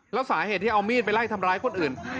แล้วสาเหตุที่เอามีดไปไล่ทำร้ายคนอื่น